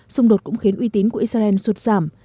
xung đột cũng khiến uy tín của israel sụt giảm